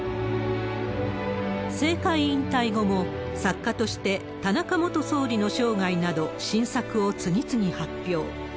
政界引退後も、作家として田中元総理の生涯など、新作を次々発表。